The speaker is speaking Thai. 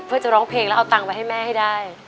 เพื่อจะร้องเพลงแล้วเอาตังค์ไปให้แม่ให้ได้